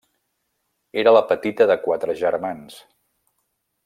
Era la petita de quatre germans.